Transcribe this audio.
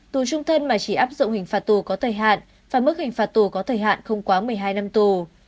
tù trung thân mà chỉ áp dụng hình phạt tù có thời hạn và mức hình phạt tù có thời hạn không quá một mươi hai năm tù